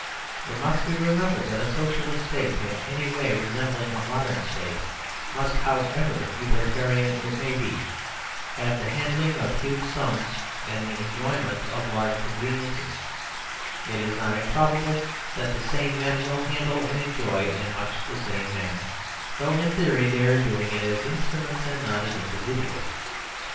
It must be remembered that a Socialist State, in any way resembling a modern State, must, however egalitarian it may be, have the handling of huge sums, and the enjoyment of large conveniences; it is not improbable that the same men will handle and enjoy in much the same manner, though in theory they are doing it as instruments, and not as individuals.